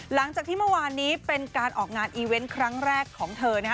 หลังจากที่เมื่อวานนี้เป็นการออกงานอีเวนต์ครั้งแรกของเธอนะฮะ